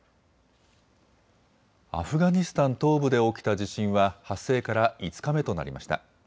アフガニスタン東部で起きた地震は発生から５日目となりました。